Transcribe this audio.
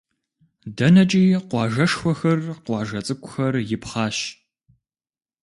ДэнэкӀи къуажэшхуэхэр, къуажэ цӀыкӀухэр ипхъащ.